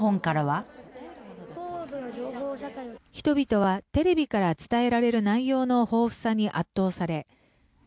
人々はテレビから伝えられる内容の豊富さに圧倒され。